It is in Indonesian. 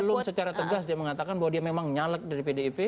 belum secara tegas dia mengatakan bahwa dia memang nyalek dari pdip